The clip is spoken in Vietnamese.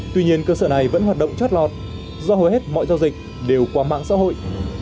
tuy nhiên cơ sở này vẫn hoạt động chót lọt do hầu hết mọi giao dịch đều qua mạng xã hội